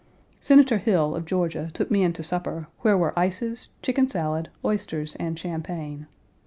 Senator Hill, of Georgia, took me in to supper, where were ices, chicken salad, oysters, and champagne.